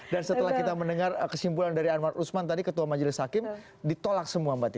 dan setelah kita mendengar kesimpulan dari anwar usman tadi ketua majelis hakim ditolak semua mbak titi